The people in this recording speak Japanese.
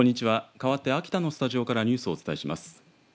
かわって秋田のスタジオからニュースをお伝えします。